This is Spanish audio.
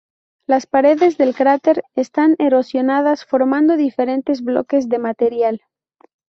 Las paredes del cráter están erosionadas, formando diferentes bloques de material.